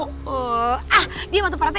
ah dia masuk pak rete